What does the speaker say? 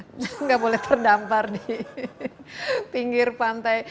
tidak boleh terdampar di pinggir pantai